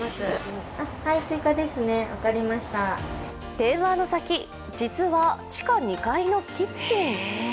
電話の先、実は地下２階のキッチン。